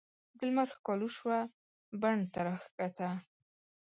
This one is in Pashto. د لمر ښکالو شوه بڼ ته راکښته